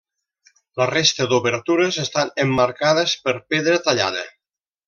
La resta d'obertures estan emmarcades per pedra tallada.